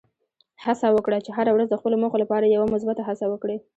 هڅه وکړه چې هره ورځ د خپلو موخو لپاره یوه مثبته هڅه وکړې.